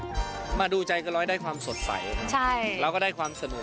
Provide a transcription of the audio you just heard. ดำฬูจัยเกินร้อยได้ความสดใสแล้วก็ได้ความสนุก